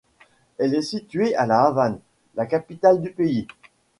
Elle est située à La Havane, la capitale du pays.